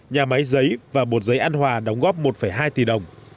nhà máy giấy và bột giấy an hòa đóng góp một hai tỷ đồng